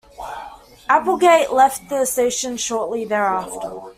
Applegate left the station shortly thereafter.